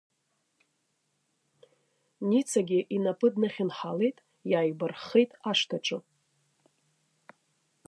Ницагьы инапы днахьынҳалеит, иааибарххеит ашҭаҿы.